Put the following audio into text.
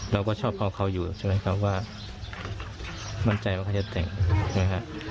เราก็ชอบเขาอยู่ใช่ไหมครับว่ามั่นใจว่าเขาจะแต่งนะครับ